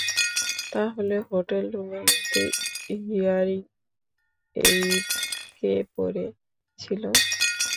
তাহলে হোটেল রুমের মধ্যে হিয়ারিং এইড কে পরে ছিল?